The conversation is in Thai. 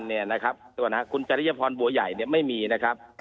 หรือคุณจริยพรหมันบัวใหญ่แบบนี้ไม่มีนะครับ